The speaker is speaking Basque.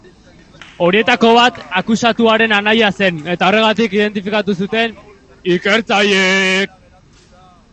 Horietako bat akusatuaren anaia zen eta horregatik identifikatu zuten ikertzaileek.